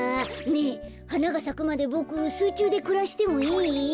ねえはながさくまでボクすいちゅうでくらしてもいい？